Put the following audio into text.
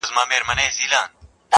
آس مي در کی، پر سپرېږې به نه.